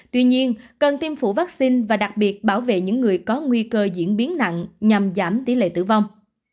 tuy nhiên cần tiêm phủ vaccine và đặc biệt bảo vệ những người có nguy cơ diễn biến nặng nhằm giảm tỷ lệ tử vong